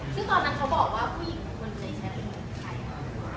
ซึ่งตอนนั้นเขาบอกว่าผู้หญิงคนในแชทเป็นใครคะ